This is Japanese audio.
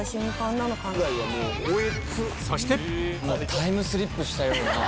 タイムスリップしたような。